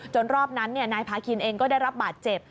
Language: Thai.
รอบนั้นนายพาคินเองก็ได้รับบาดเจ็บ